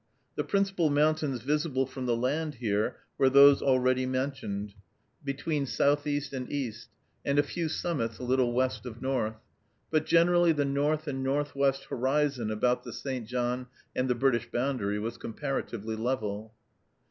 The principal mountains visible from the land here were those already mentioned, between southeast and east, and a few summits a little west of north, but generally the north and northwest horizon about the St. John and the British boundary was comparatively level.